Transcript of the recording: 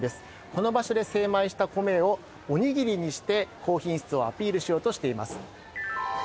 この場所で精米したコメをおにぎりにして、高品質をアピールしようとしています。